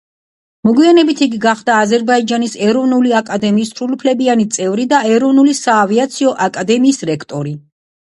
მოგვიანებით იგი გახდა აზერბაიჯანის ეროვნული აკადემიის სრულუფლებიანი წევრი და ეროვნული საავიაციო აკადემიის რექტორი.